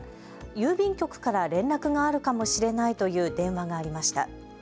郵便局から連絡があるかもしれないという電話がありました。